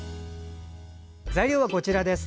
材料はこちらです。